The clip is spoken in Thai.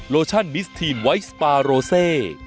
โลชั่นมิสทีนไวท์สปาโรเซ